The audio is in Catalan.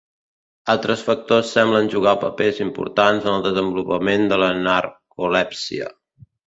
Altres factors semblen jugar papers importants en el desenvolupament de la narcolèpsia.